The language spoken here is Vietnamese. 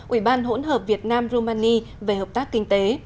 ubhvn rumani về hợp tác kinh tế